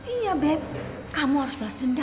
iya beb kamu harus beres dendam